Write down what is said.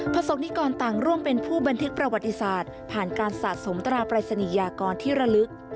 สกนิกรต่างร่วมเป็นผู้บันทึกประวัติศาสตร์ผ่านการสะสมตราปรายศนียากรที่ระลึก